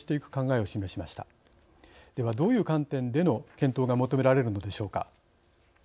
ではどういう観点での検討が求められるのでしょうか。